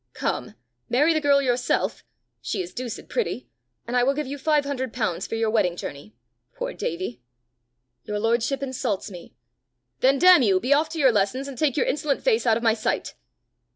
Come: marry the girl yourself she is deuced pretty and I will give you five hundred pounds for your wedding journey. Poor Davie!" "Your lordship insults me." "Then, damn you! be off to your lessons, and take your insolent face out of my sight."